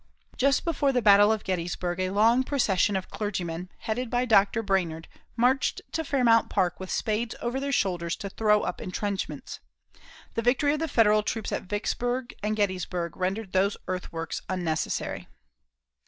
Just before the battle of Gettysburg a long procession of clergymen, headed by Dr. Brainerd, marched to Fairmount Park with spades over their shoulders to throw up entrenchments. The victory of the Federal troops at Vicksburg and Gettysburg rendered those earthworks unnecessary.